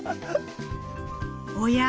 ⁉おや？